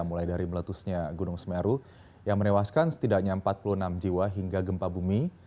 mulai dari meletusnya gunung semeru yang menewaskan setidaknya empat puluh enam jiwa hingga gempa bumi